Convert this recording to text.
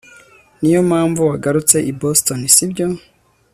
niyo mpamvu wagarutse i boston, sibyo